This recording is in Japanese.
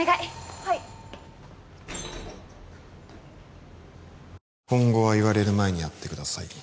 はい今後は言われる前にやってください